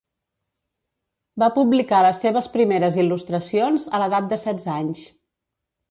Va publicar les seves primeres il·lustracions a l'edat de setze anys.